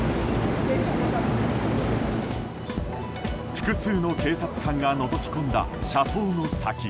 複数の警察官がのぞき込んだ車窓の先